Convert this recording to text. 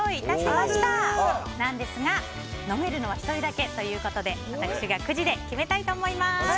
なんですが飲めるのは１人だけということで私がくじで引きたいと思います。